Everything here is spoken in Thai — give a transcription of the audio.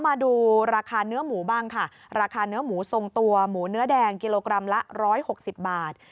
มาดูราคาเนื้อหมูบ้างค่ะราคาเนื้อหมูทรงตัวหมูเนื้อแดงกิโลกรัมละ๑๖๐บาท